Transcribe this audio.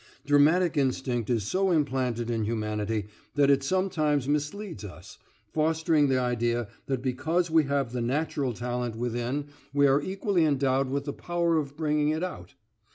Dramatic instinct is so implanted in humanity that it sometimes misleads us, fostering the idea that because we have the natural talent within we are equally endowed with the power of bringing it out.